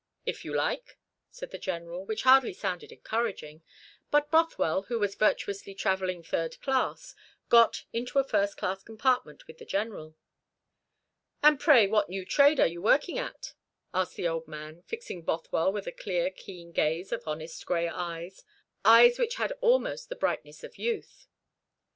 "If you like," said the General, which hardly sounded encouraging; but Bothwell, who was virtuously travelling third class, got into a first class compartment with the General. "And, pray, what new trade are you working at?" asked the old man, fixing Bothwell with the clear keen gaze of honest gray eyes, eyes which had almost the brightness of youth.